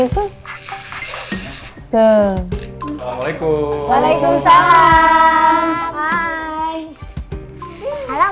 tuh assalamualaikum waalaikumsalam